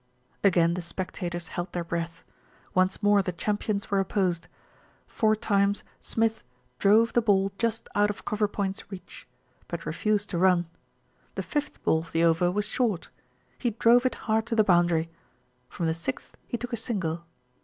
Again the spectators held their breath. Once more the champions were opposed. Four times Smith drove 210 THE RETURN OF ALFRED the ball just out of cover point's reach; but refused to run. The fifth ball of the over was short. He drove it hard to the boundary. From the sixth he took a single.